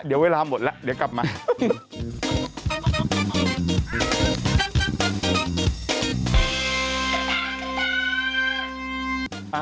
เดี๋ยวเวลาหมดแล้วเดี๋ยวกลับมา